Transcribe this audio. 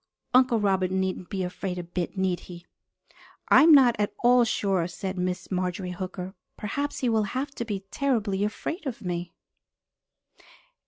Uncle Robert needn't be afraid a bit, need he?" "I am not at all sure," said Miss Marjorie Hooker. "Perhaps he will have to be terribly afraid of me."